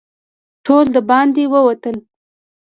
ټول د باندې ووتل.